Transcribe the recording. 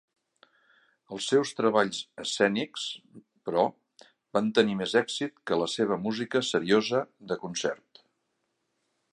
Els seus treballs escènics, però, van tenir més èxit que la seva música seriosa de concert.